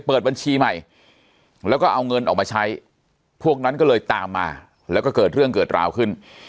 เปิดบัญชีใหม่แล้วก็เอาเงินออกมาใช้พวกนั้นก็เลยตามมาแล้วก็เกิดเรื่องเกิดราวขึ้น